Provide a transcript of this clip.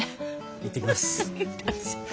行ってきます。